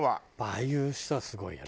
ああいう人はすごいよね。